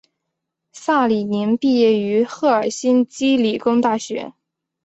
萨里宁毕业于赫尔辛基理工大学。